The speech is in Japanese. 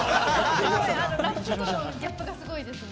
ラップとのギャップがすごいですね。